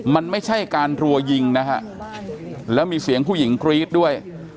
มันไม่ใช่การรัวยิงนะฮะแล้วมีเสียงผู้หญิงกรี๊ดด้วย